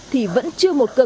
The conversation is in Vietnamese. thì vẫn chưa một cơ quan